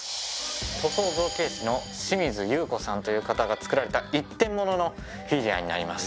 塗装造形師の清水ゆう子さんという方が作られた１点もののフィギュアになります。